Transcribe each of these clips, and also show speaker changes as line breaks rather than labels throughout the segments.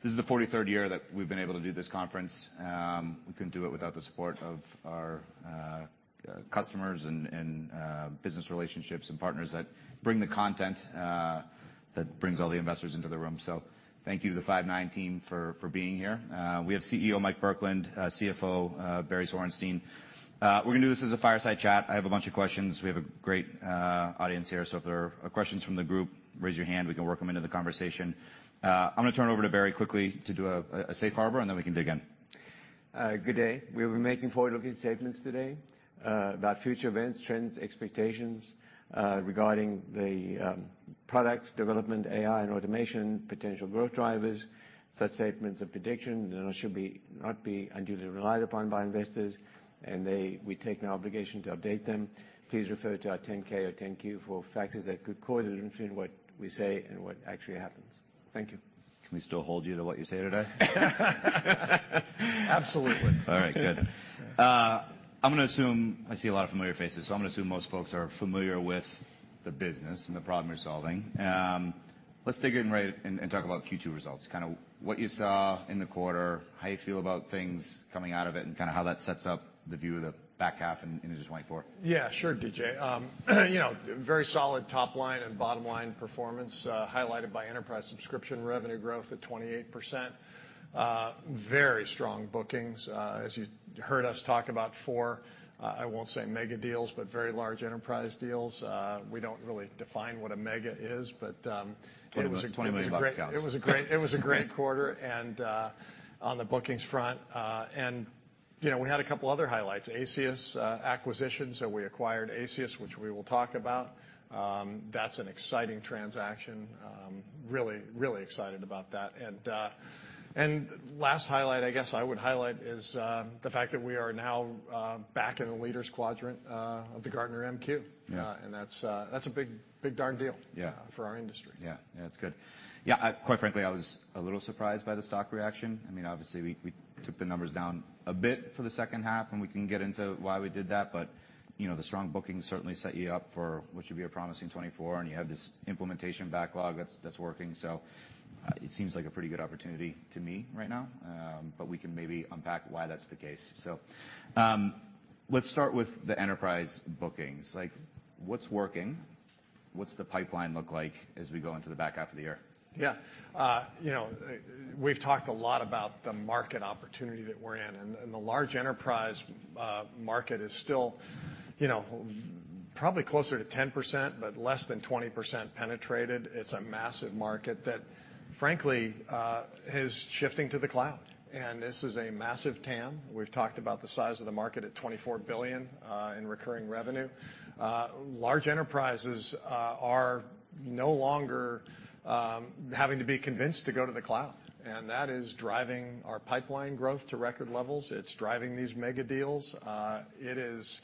This is the 43rd year that we've been able to do this conference. We couldn't do it without the support of our customers and, and business relationships and partners that bring the content, that brings all the investors into the room. Thank you to the Five9 team for, for being here. We have CEO, Mike Burkland, CFO, Barry Zwarenstein. We're gonna do this as a fireside chat. I have a bunch of questions. We have a great audience here, so if there are questions from the group, raise your hand, we can work them into the conversation. I'm gonna turn it over to Barry quickly to do a safe harbor, and then we can dig in.
Good day. We'll be making forward-looking statements today, about future events, trends, expectations, regarding the products, development, AI and automation, potential growth drivers. Such statements of prediction, you know, should not be unduly relied upon by investors, and we take no obligation to update them. Please refer to our 10-K or 10-Q for factors that could cause a difference between what we say and what actually happens. Thank you.
Can we still hold you to what you say today?
Absolutely.
All right. Good. I'm gonna assume... I see a lot of familiar faces, so I'm gonna assume most folks are familiar with the business and the problem you're solving. Let's dig in right in, and talk about Q2 results. Kinda what you saw in the quarter, how you feel about things coming out of it, and kinda how that sets up the view of the back half in, into 2024.
Yeah, sure, DJ. You know, very solid top line and bottom-line performance, highlighted by enterprise subscription revenue growth at 28%. Very strong bookings, as you heard us talk about four, I won't say mega deals, but very large enterprise deals. We don't really define what a mega is, but it was a great.
$20 million counts.
It was a great, it was a great quarter and on the bookings front. You know, we had a couple other highlights. Aceyus acquisition, so we acquired Aceyus, which we will talk about. That's an exciting transaction. Really, really excited about that. Last highlight, I guess, I would highlight is the fact that we are now back in the Leaders quadrant of the Gartner MQ.
Yeah.
That's, that's a big, big darn deal.
Yeah
For our industry.
Yeah. Yeah, it's good. Yeah, I quite frankly, I was a little surprised by the stock reaction. I mean, obviously, we, we took the numbers down a bit for the second half, and we can get into why we did that, but, you know, the strong bookings certainly set you up for what should be a promising 2024, and you have this implementation backlog that's, that's working. It seems like a pretty good opportunity to me right now. We can maybe unpack why that's the case. Let's start with the enterprise bookings. Like, what's working? What's the pipeline look like as we go into the back half of the year?
Yeah. You know, we've talked a lot about the market opportunity that we're in, and, and the large enterprise market is still, you know, probably closer to 10%, but less than 20% penetrated. It's a massive market that, frankly, is shifting to the cloud, and this is a massive TAM. We've talked about the size of the market at $24 billion in recurring revenue. Large enterprises are no longer having to be convinced to go to the cloud, and that is driving our pipeline growth to record levels. It's driving these mega deals. It is...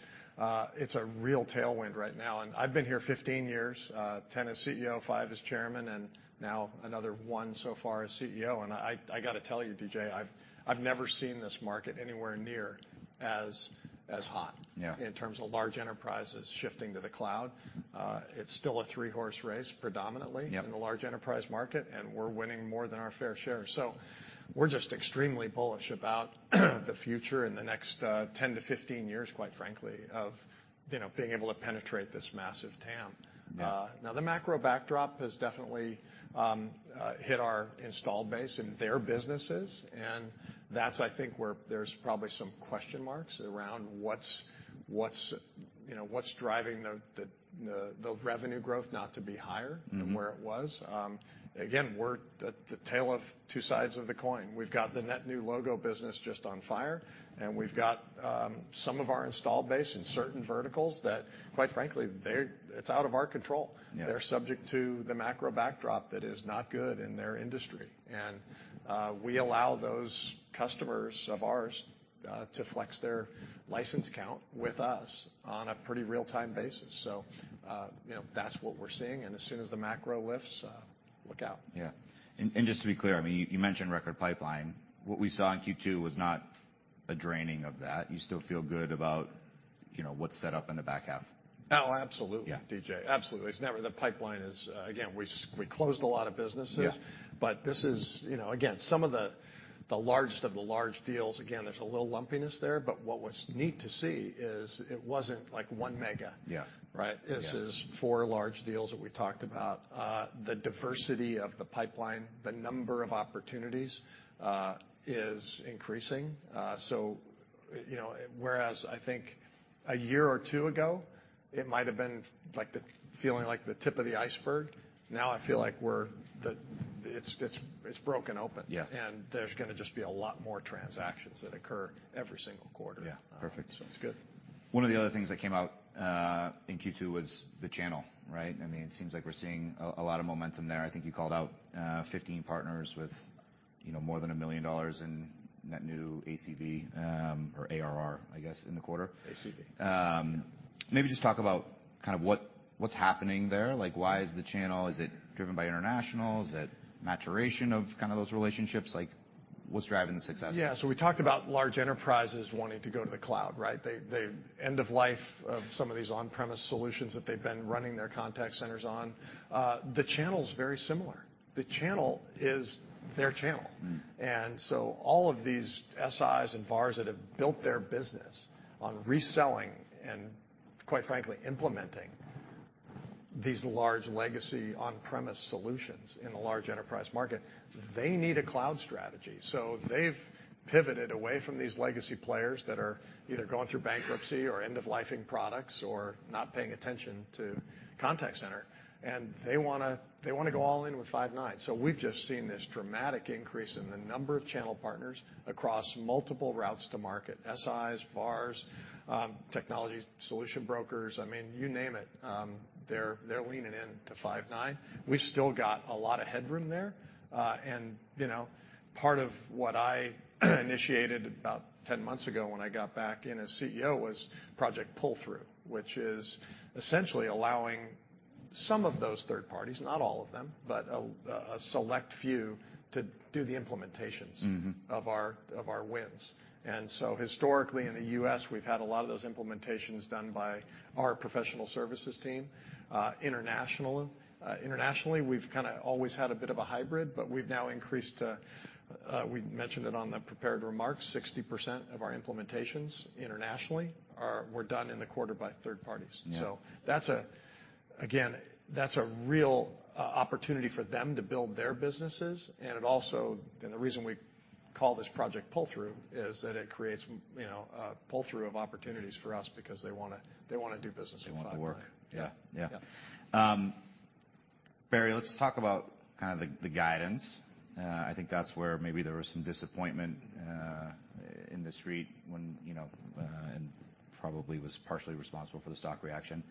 It's a real tailwind right now, and I've been here 15 years, 10 as CEO, five as chairman, and now another one so far as CEO. I, I gotta tell you, DJ, I've, I've never seen this market anywhere near as, as hot-
Yeah
In terms of large enterprises shifting to the cloud. It's still a three-horse race, predominantly.
Yep
in the large enterprise market, and we're winning more than our fair share. We're just extremely bullish about the future in the next, 10 to 15 years, quite frankly, of, you know, being able to penetrate this massive TAM.
Yeah.
The macro backdrop has definitely hit our installed base in their businesses, and that's, I think, where there's probably some question marks around what's, what's, you know, what's driving the, the, the, the revenue growth not to be higher.
Mm-hmm
than where it was. Again, we're at the tail of two sides of the coin. We've got the net new logo business just on fire, and we've got some of our installed base in certain verticals that, quite frankly, they're- it's out of our control.
Yeah.
They're subject to the macro backdrop that is not good in their industry. We allow those customers of ours, to flex their license count with us on a pretty real-time basis. You know, that's what we're seeing, and as soon as the macro lifts, look out.
Yeah. Just to be clear, I mean, you, you mentioned record pipeline. What we saw in Q2 was not a draining of that. You still feel good about, you know, what's set up in the back half?
Oh, absolutely.
Yeah
DJ, absolutely. It's never the pipeline is. Again, we closed a lot of businesses.
Yeah.
This is, you know, again, some of the, the largest of the large deals, again, there's a little lumpiness there, but what was neat to see is it wasn't like one mega.
Yeah.
Right?
Yeah.
This is four large deals that we talked about. The diversity of the pipeline, the number of opportunities, is increasing. You know, whereas I think a year or two ago, it might have been like the, feeling like the tip of the iceberg, now I feel like we're the... It's, it's, it's broken open.
Yeah.
There's gonna just be a lot more transactions that occur every single quarter.
Yeah. Perfect.
It's good.
One of the other things that came out, in Q2 was the channel, right? I mean, it seems like we're seeing a, a lot of momentum there. I think you called out, 15 partners with, you know, more than $1 million in net new ACV, or ARR, I guess, in the quarter.
ACV.
Maybe just talk about kind of what, what's happening there. Like, why is the channel? Is it driven by international? Is it maturation of kind of those relationships? What's driving the success?
Yeah, so we talked about large enterprises wanting to go to the cloud, right? The end of life of some of these on-premise solutions that they've been running their contact centers on, the channel's very similar. The channel is their channel.
Mm.
All of these SIs and VARs that have built their business on reselling and, quite frankly, implementing these large legacy on-premise solutions in a large enterprise market, they need a cloud strategy. They've pivoted away from these legacy players that are either going through bankruptcy or end-of-lifing products or not paying attention to contact center, and they wanna, they wanna go all in with Five9. We've just seen this dramatic increase in the number of channel partners across multiple routes to market, SIs, VARs, technology solution brokers. I mean, you name it, they're, they're leaning in to Five9. We've still got a lot of headroom there. You know, part of what I initiated about 10 months ago when I got back in as CEO was Project Pull-Through, which is essentially allowing some of those third parties, not all of them, but a select few, to do the implementations.
Mm-hmm.
Of our, of our wins. Historically, in the U.S., we've had a lot of those implementations done by our professional services team. International, internationally, we've kinda always had a bit of a hybrid. We've now increased, we mentioned it on the prepared remarks, 60% of our implementations internationally were done in the quarter by third parties.
Yeah.
Again, that's a real opportunity for them to build their businesses. The reason we call this Project Pull-Through is that it creates, you know, a pull through of opportunities for us because they wanna, they wanna do business with Five9.
They want to work.
Yeah.
Yeah. Yeah. Barry, let's talk about kind of the, the guidance. I think that's where maybe there was some disappointment in the street when, you know, and probably was partially responsible for the stock reaction.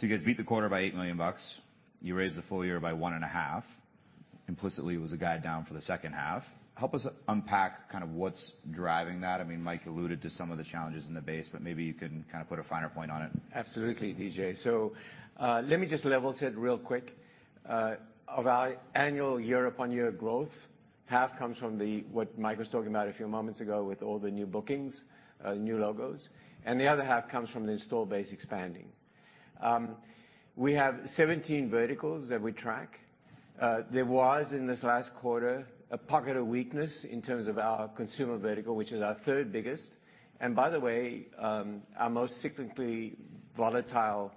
You guys beat the quarter by $8 million. You raised the full year by $1.5 million. Implicitly, it was a guide down for the second half. Help us unpack kind of what's driving that. I mean, Mike alluded to some of the challenges in the base, but maybe you can kind of put a finer point on it?
Absolutely, DJ. Let me just level set real quick. Of our annual year-upon-year growth, half comes from the, what Mike was talking about a few moments ago, with all the new bookings, new logos, and the other half comes from the install base expanding. We have 17 verticals that we track. There was, in this last quarter, a pocket of weakness in terms of our consumer vertical, which is our 3rd biggest, and by the way, our most cyclically volatile,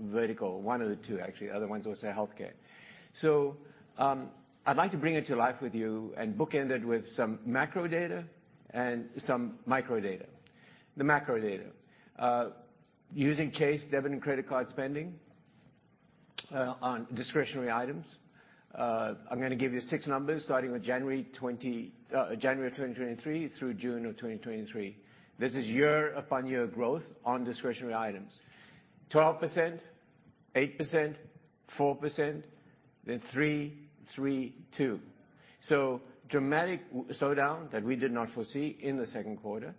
vertical, one of the two, actually. The other one's also healthcare. I'd like to bring it to life with you and bookend it with some macro data and some micro data. The macro data. Using Chase debit and credit card spending, on discretionary items, I'm gonna give you six numbers, starting with January 2023 through June 2023. This is year-over-year growth on discretionary items. 12%, 8%, 4%, then 3%, 3%, 2%. Dramatic slowdown that we did not foresee in the second quarter.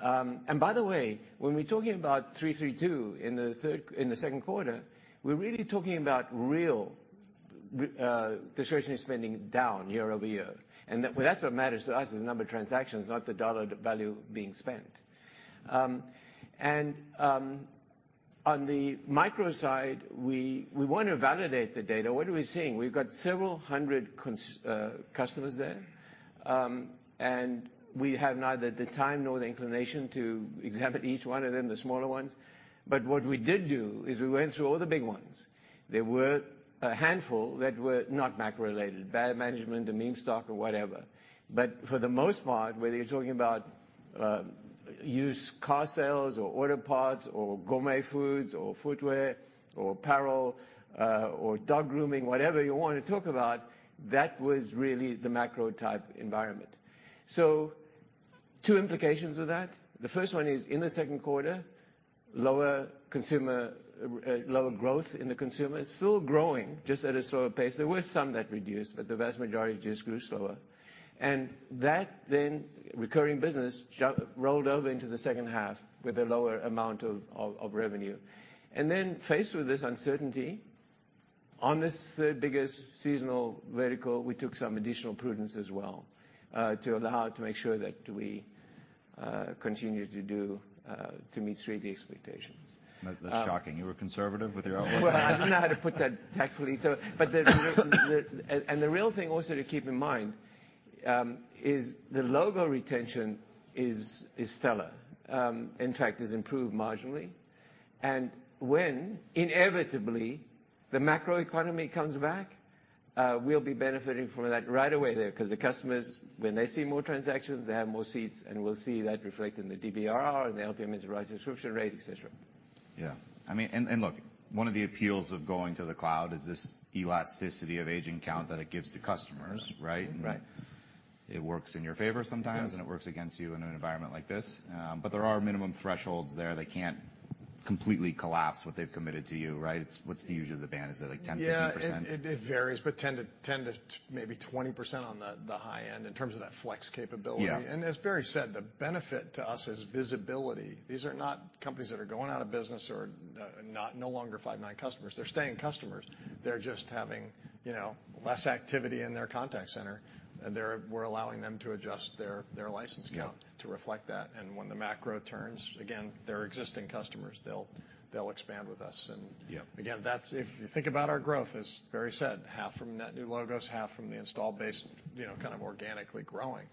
By the way, when we're talking about 3%, 3%, 2% in the second quarter, we're really talking about real discretionary spending down year-over-year. That well, that's what matters to us, is the number of transactions, not the dollar value being spent. On the micro side, we want to validate the data. What are we seeing? We've got several hundred customers there. We have neither the time nor the inclination to examine each one of them, the smaller ones. What we did do is we went through all the big ones. There were a handful that were not macro-related, bad management, a meme stock or whatever. For the most part, whether you're talking about used car sales or auto parts or gourmet foods or footwear or apparel, or dog grooming, whatever you want to talk about, that was really the macro type environment. Two implications of that. The first one is, in the second quarter, lower consumer, lower growth in the consumer. It's still growing, just at a slower pace. There were some that reduced, but the vast majority just grew slower. That then, recurring business, rolled over into the second half with a lower amount of, of, of revenue. Then faced with this uncertainty, on this third biggest seasonal vertical, we took some additional prudence as well, to allow, to make sure that we continue to do to meet street expectations.
That, that's shocking. You were conservative with your outlook?
I don't know how to put that tactfully, so. The real thing also to keep in mind, is the logo retention is stellar. In fact, it's improved marginally. When, inevitably, the macro economy comes back, we'll be benefiting from that right away there, 'cause the customers, when they see more transactions, they have more seats, and we'll see that reflected in the DBRR and the LTM enterprise subscription rate, et cetera.
Yeah. I mean, and look, one of the appeals of going to the cloud is this elasticity of aging count that it gives to customers, right?
Right.
It works in your favor sometimes.
Yes.
It works against you in an environment like this. There are minimum thresholds there. They can't completely collapse what they've committed to you, right? What's the usual, the band, is it, like, 10%, 15%?
Yeah, it varies, but 10% to, 10% to maybe 20% on the high end in terms of that flex capability.
Yeah.
As Barry said, the benefit to us is visibility. These are not companies that are going out of business or no longer Five9 customers. They're staying customers. They're just having, you know, less activity in their contact center, and we're allowing them to adjust their license count.
Yeah
To reflect that. When the macro turns again, they're existing customers, they'll, they'll expand with us.
Yeah.
Again, that's if you think about our growth, as Barry said, half from net new logos, half from the installed base, you know, kind of organically growing.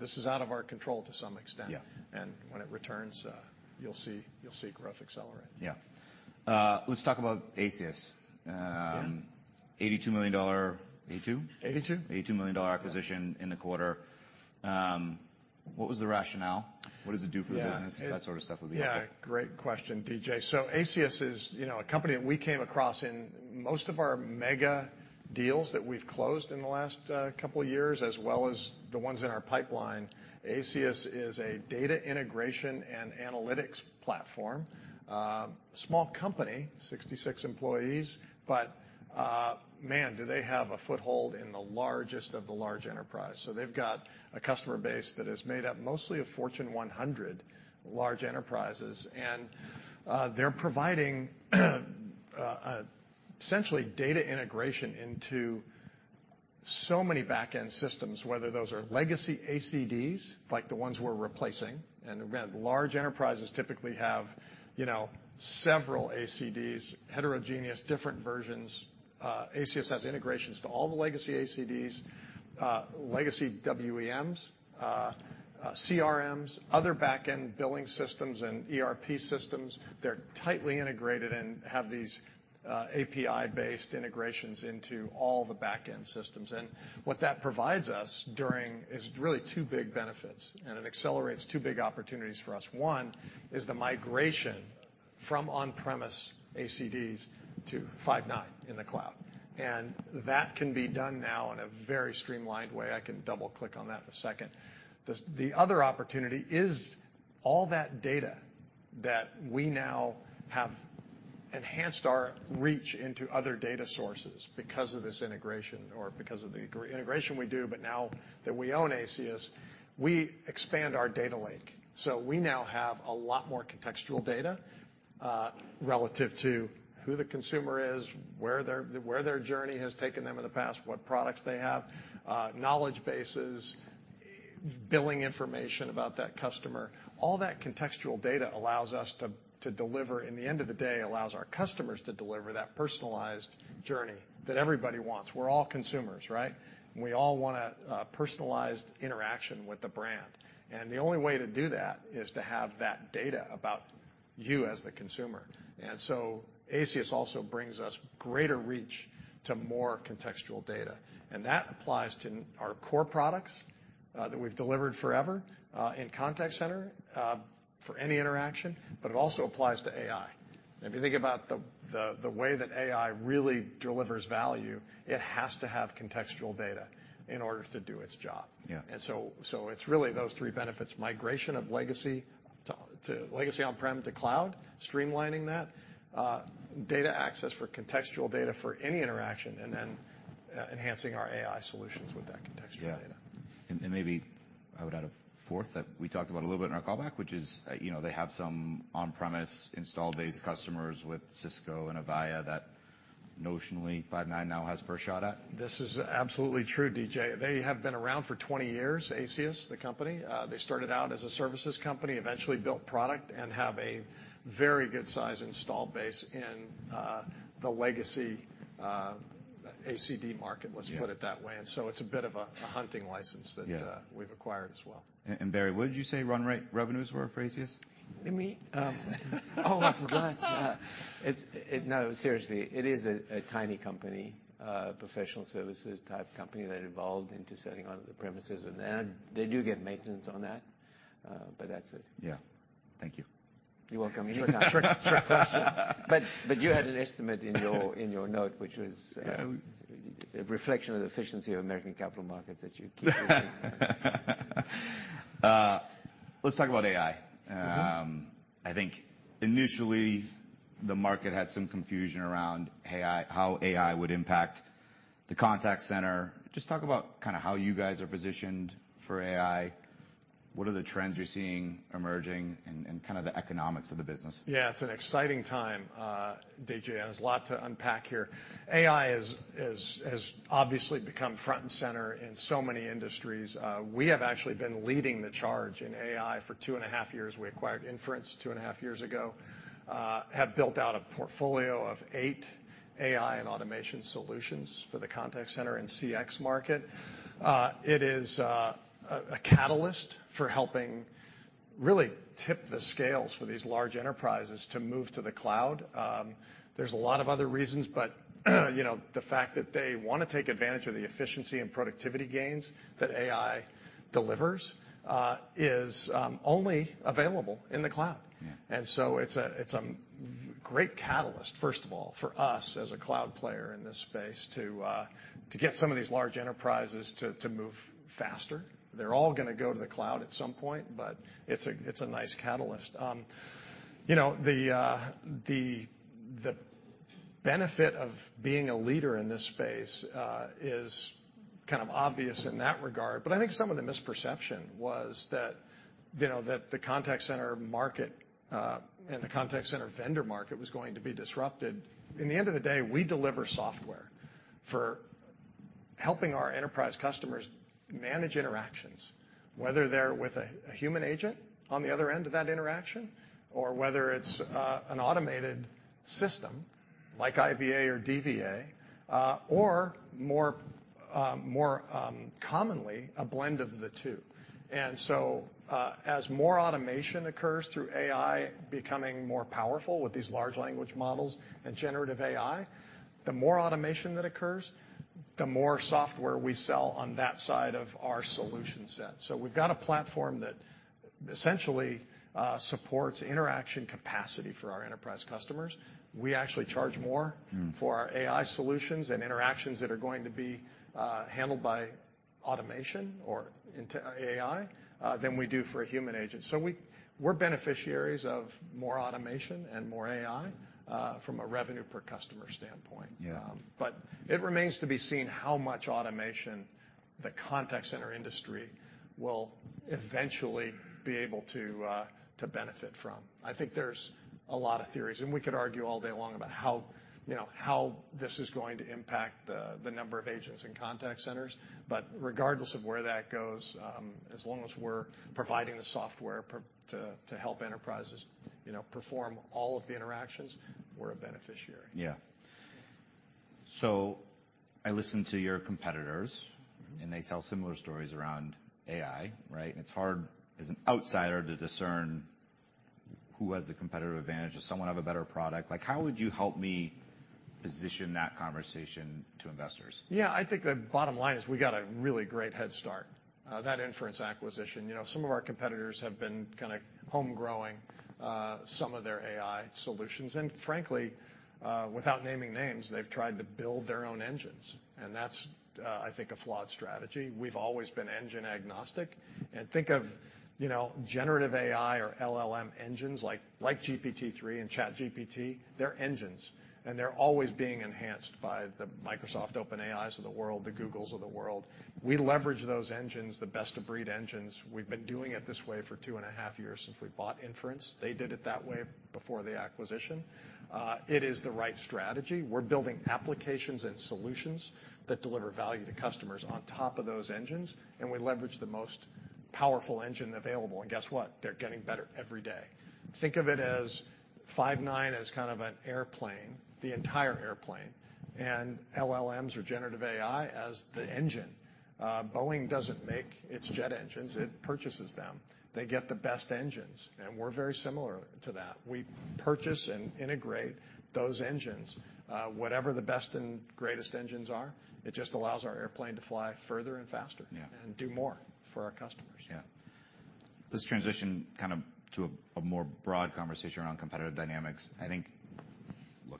This is out of our control to some extent.
Yeah.
When it returns, you'll see, you'll see growth accelerate.
Yeah. Let's talk about Aceyus.
Yeah.
$82 million... 82?
Eighty-two.
$82 million acquisition in the quarter. What was the rationale? What does it do for the business?
Yeah.
That sort of stuff would be helpful.
Yeah, great question, DJ. Aceyus is, you know, a company that we came across in most of our mega deals that we've closed in the last couple of years, as well as the ones in our pipeline. Aceyus is a data integration and analytics platform. Small company, 66 employees, but, man, do they have a foothold in the largest of the large enterprise. They've got a customer base that is made up mostly of Fortune 100 large enterprises, and they're providing essentially data integration into so many back-end systems, whether those are legacy ACDs, like the ones we're replacing. Again, large enterprises typically have, you know, several ACDs, heterogeneous, different versions. Aceyus has integrations to all the legacy ACDs, legacy WEMs, CRMs, other back-end billing systems and ERP systems. They're tightly integrated and have these API-based integrations into all the back-end systems. What that provides us during is really two big benefits, and it accelerates two big opportunities for us. One is the migration from on-premise ACDs to Five9 in the cloud, and that can be done now in a very streamlined way. I can double click on that in a second. The other opportunity is all that data that we now have enhanced our reach into other data sources because of this integration or because of the integration we do, but now that we own Aceyus, we expand our data lake. We now have a lot more contextual data, relative to who the consumer is, where their journey has taken them in the past, what products they have, knowledge bases, billing information about that customer. All that contextual data allows us to, to deliver, in the end of the day, allows our customers to deliver that personalized journey that everybody wants. We're all consumers, right? We all want a personalized interaction with the brand. The only way to do that is to have that data about you as the consumer. So Aceyus also brings us greater reach to more contextual data, and that applies to our core products, that we've delivered forever, NICE inContact center, for any interaction, but it also applies to AI. If you think about the way that AI really delivers value, it has to have contextual data in order to do its job.
Yeah.
It's really those three benefits, migration of legacy to legacy on-prem to cloud, streamlining that data access for contextual data for any interaction, and then enhancing our AI solutions with that contextual data.
Yeah. Maybe I would add a fourth that we talked about a little bit in our callback, which is, you know, they have some on-premise installed base customers with Cisco and Avaya that notionally Five9 now has first shot at.
This is absolutely true, DJ. They have been around for 20 years, Aceyus, the company. They started out as a services company, eventually built product and have a very good size install base in the legacy ACD market.
Yeah
Let's put it that way. So it's a bit of a, a hunting license-
Yeah
That, we've acquired as well.
Barry, what did you say run rate revenues were for Aceyus?
Let me- Oh, I forgot. It's... No, seriously, it is a, a tiny company, professional services type company that evolved into selling on the premises, and they do get maintenance on that, but that's it.
Yeah. Thank you.
You're welcome anytime.
Sure. Sure.
You had an estimate in your, in your note, which was.
Yeah
A reflection of the efficiency of American capital markets that you keep.
Let's talk about AI.
Mm-hmm.
I think initially, the market had some confusion around AI, how AI would impact the contact center. Just talk about kind of how you guys are positioned for AI, what are the trends you're seeing emerging, and, and kind of the economics of the business.
It's an exciting time, DJ, there's a lot to unpack here. AI has obviously become front and center in so many industries. We have actually been leading the charge in AI for 2.5 years. We acquired Inference 2.5 years ago, have built out a portfolio of eight AI and automation solutions for the contact center and CX market. It is a catalyst for helping really tip the scales for these large enterprises to move to the cloud. There's a lot of other reasons, but, you know, the fact that they want to take advantage of the efficiency and productivity gains that AI delivers, is only available in the cloud.
Yeah.
It's a great catalyst, first of all, for us as a cloud player in this space to get some of these large enterprises to move faster. They're all gonna go to the cloud at some point, but it's a nice catalyst. You know, the benefit of being a leader in this space is kind of obvious in that regard. I think some of the misperception was that, you know, that the contact center market and the contact center vendor market was going to be disrupted. In the end of the day, we deliver software for helping our enterprise customers manage interactions, whether they're with a, a human agent on the other end of that interaction, or whether it's an automated system like IVA or DVA, or more, more, commonly, a blend of the two. As more automation occurs through AI becoming more powerful with these large language models and generative AI, the more automation that occurs, the more software we sell on that side of our solution set. We've got a platform that essentially, supports interaction capacity for our enterprise customers. We actually charge more-
Mm.
For our AI solutions and interactions that are going to be handled by automation or into AI than we do for a human agent. We're beneficiaries of more automation and more AI from a revenue per customer standpoint.
Yeah.
It remains to be seen how much automation the contact center industry will eventually be able to benefit from. I think there's a lot of theories, and we could argue all day long about how, you know, how this is going to impact the number of agents NICE inContact centers. Regardless of where that goes, as long as we're providing the software to, to help enterprises, you know, perform all of the interactions, we're a beneficiary.
Yeah. I listen to your competitors, and they tell similar stories around AI, right? It's hard as an outsider to discern who has the competitive advantage. Does someone have a better product? Like, how would you help me position that conversation to investors?
Yeah, I think the bottom line is we got a really great head start. That Inference acquisition, you know, some of our competitors have been kinda home growing, some of their AI solutions, and frankly, without naming names, they've tried to build their own engines, and that's, I think, a flawed strategy. We've always been engine agnostic. Think of, you know, generative AI or LLM engines, like, like GPT-3 and ChatGPT, they're engines, and they're always being enhanced by the Microsoft, OpenAI of the world, the Googles of the world. We leverage those engines, the best-of-breed engines. We've been doing it this way for two and a half years since we bought Inference. They did it that way before the acquisition. It is the right strategy. We're building applications and solutions that deliver value to customers on top of those engines, and we leverage the most powerful engine available. Guess what? They're getting better every day. Think of it as Five9 as kind of an airplane, the entire airplane, and LLMs or generative AI as the engine. Boeing doesn't make its jet engines, it purchases them. They get the best engines, and we're very similar to that. We purchase and integrate those engines. Whatever the best and greatest engines are, it just allows our airplane to fly further and faster.
Yeah
Do more for our customers.
Yeah. Let's transition kind of to a, a more broad conversation around competitive dynamics. I think. Look,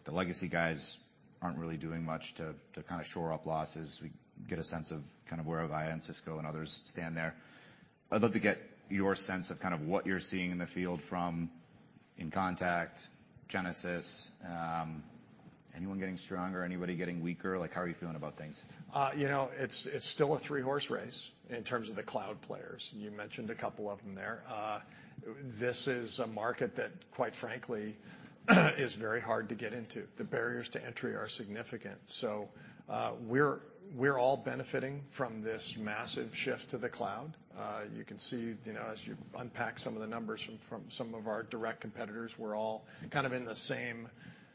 the legacy guys aren't really doing much to, to kinda shore up losses. We get a sense of kind of where Avaya and Cisco and others stand there. I'd love to get your sense of kind of what you're seeing in the field from NICE inContact, Genesys, anyone getting stronger, anybody getting weaker? Like, how are you feeling about things?
You know, it's, it's still a three-horse race in terms of the cloud players. You mentioned a couple of them there. This is a market that, quite frankly, is very hard to get into. The barriers to entry are significant. We're, we're all benefiting from this massive shift to the cloud. You can see, you know, as you unpack some of the numbers from, from some of our direct competitors, we're all kind of in the same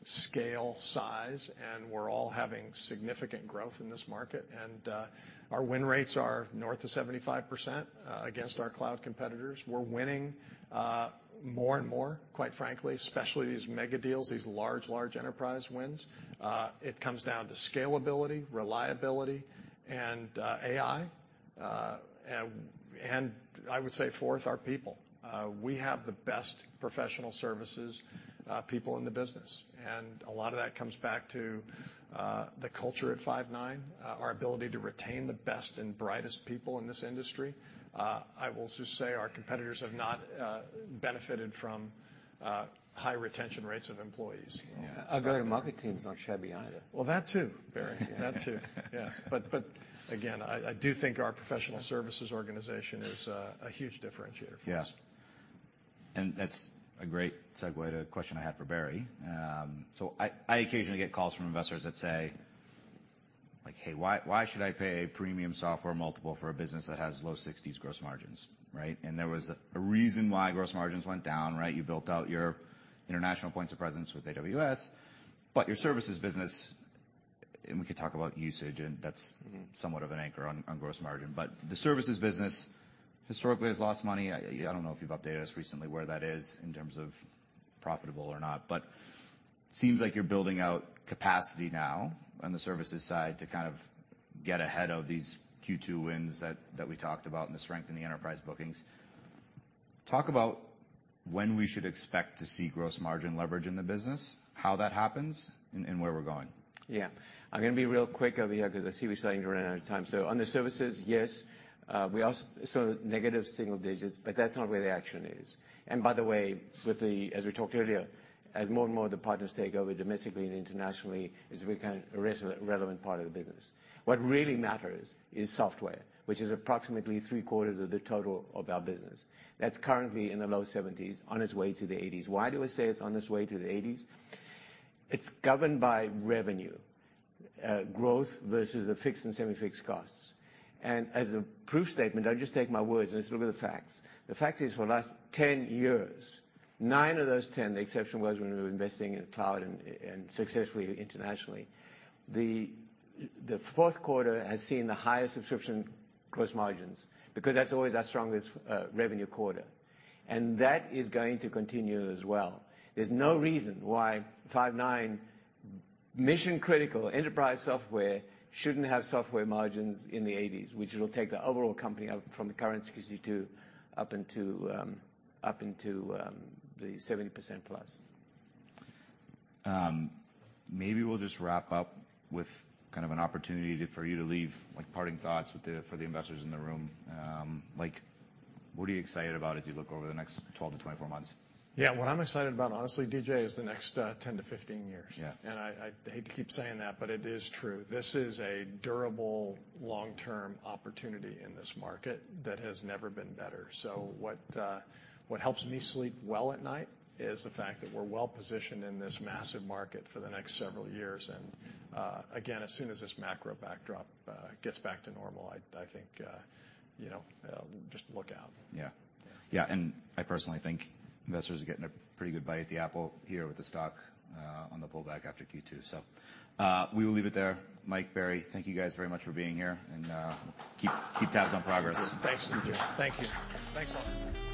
scale, size, and we're all having significant growth in this market. Our win rates are north of 75%, against our cloud competitors. We're winning, more and more, quite frankly, especially these mega deals, these large, large enterprise wins. It comes down to scalability, reliability, and, AI, and, and I would say fourth, our people. We have the best professional services, people in the business, and a lot of that comes back to the culture at Five9, our ability to retain the best and brightest people in this industry. I will just say, our competitors have not benefited from high retention rates of employees.
Yeah.
Our go-to-market teams aren't shabby either.
That too, Barry. That, too. Yeah. But again, I, I do think our professional services organization is a huge differentiator for us.
Yeah. That's a great segue to a question I had for Barry. I, I occasionally get calls from investors that say, like, "Hey, why, why should I pay premium software multiple for a business that has low sixties gross margins, right?" There was a reason why gross margins went down, right? You built out your international points of presence with AWS, but your services business, and we could talk about usage, and that's-
Mm-hmm
somewhat of an anchor on, on gross margin. The services business historically has lost money. I, I don't know if you've updated us recently where that is in terms of profitable or not, but seems like you're building out capacity now on the services side to kind of get ahead of these Q2 wins that, that we talked about and the strength in the enterprise bookings. Talk about when we should expect to see gross margin leverage in the business, how that happens, and, and where we're going?
Yeah. I'm gonna be real quick over here, because I see we're starting to run out of time. On the services, yes, we saw negative single digits, but that's not where the action is. By the way, as we talked earlier, as more and more of the partners take over domestically and internationally, it's become a relevant, relevant part of the business. What really matters is software, which is approximately three quarters of the total of our business. That's currently in the low 70s, on its way to the 80s. Why do I say it's on its way to the 80s? It's governed by revenue growth versus the fixed and semi-fixed costs. As a proof statement, don't just take my words, and let's look at the facts. The fact is, for the last 10 years, 9 of those 10, the exception was when we were investing in cloud and, and successfully internationally, the fourth quarter has seen the highest subscription gross margins, because that's always our strongest revenue quarter. That is going to continue as well. There's no reason why Five9 mission-critical enterprise software shouldn't have software margins in the 80s, which will take the overall company up from the current 62% up into the 70%+.
Maybe we'll just wrap up with kind of an opportunity to, for you to leave, like, parting thoughts with the, for the investors in the room. Like, what are you excited about as you look over the next 12 to 24 months?
Yeah, what I'm excited about, honestly, DJ, is the next, 10 to 15 years.
Yeah.
I, I hate to keep saying that, but it is true. This is a durable, long-term opportunity in this market that has never been better. What, what helps me sleep well at night is the fact that we're well positioned in this massive market for the next several years. Again, as soon as this macro backdrop gets back to normal, I, I think, you know, just look out.
Yeah. Yeah, I personally think investors are getting a pretty good bite at the apple here with the stock, on the pullback after Q2. We will leave it there. Mike, Barry, thank you guys very much for being here, and, keep, keep tabs on progress.
Thanks, DJ. Thank you. Thanks a lot.